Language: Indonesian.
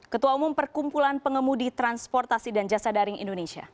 ketua umum perkumpulan pengemudi transportasi dan jasa daring indonesia